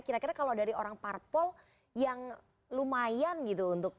kira kira kalau dari orang parpol yang lumayan gitu untuk